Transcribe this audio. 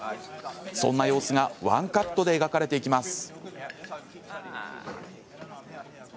そんな様子がワンカットで描かれていきます。